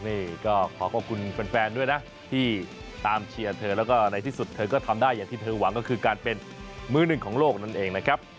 นี่ก็ขอขอบคุณแฟนด้วยนะที่ตามเชียร์เธอแล้วก็ในที่สุดเธอก็ทำได้อย่างที่เธอหวังก็คือการเป็นมือหนึ่งของโลกนั่นเองนะครับ